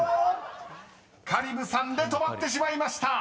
［香里武さんで止まってしまいました］